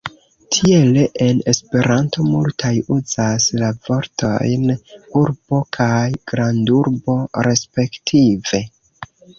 Tiele en Esperanto multaj uzas la vortojn "urbo" kaj grandurbo respektive.